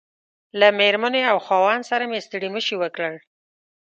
له مېرمنې او خاوند سره مې ستړي مشي وکړل.